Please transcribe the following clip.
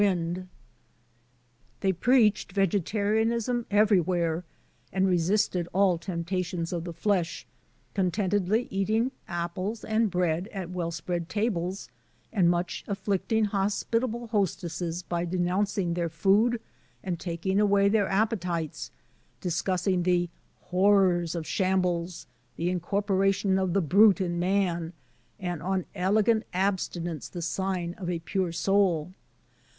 Digitized by VjOOQ IC l66 BRONSON ALCOTT'S FRUITLANDS They preached vegetarianism everywhere and resisted all temptations of the flesh, contentedly eating apples and bread at well spread tables, and much afflicting hospitable hostesses by de nouncing their food and taking away their ap petites, discussing the "horrors of shambles," the "incorporation of the brute in man," and "on elegant abstinence the sign of a pure soul."